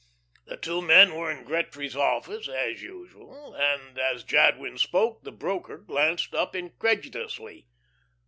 The two men were in Gretry's office as usual, and as Jadwin spoke, the broker glanced up incredulously.